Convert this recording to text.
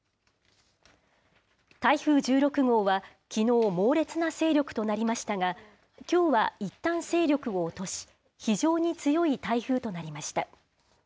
台風１６号は、きのう、猛烈な勢力となりましたが、きょうはいったん勢力を落とし、非常に強い台風となりました。